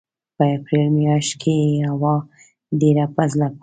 په اپرېل مياشت کې یې هوا ډېره په زړه پورې وي.